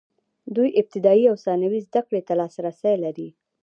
دوی ابتدايي او ثانوي زده کړې ته لاسرسی لري.